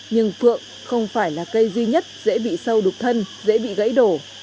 nhưng phượng không phải là cây duy nhất dễ bị sâu đục thân dễ bị gãy đổ